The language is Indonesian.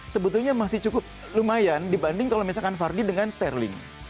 sebetulnya masih cukup lumayan dibanding kalau misalkan vardy dengan sterling